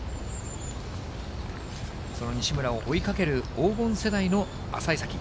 その西村を追いかける、黄金世代の淺井咲希。